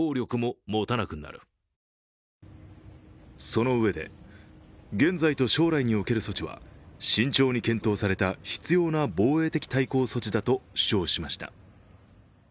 そのうえで、現在と将来における措置は慎重に検討された必要な防衛的対抗措置だと主張しました。